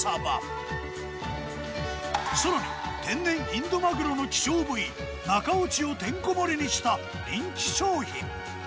さらに天然インド鮪の希少部位中落ちをてんこ盛りにした人気商品。